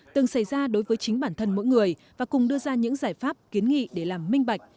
từng xảy ra đối với chính bản thân mỗi người và cùng đưa ra những giải pháp kiến nghị để làm minh bạch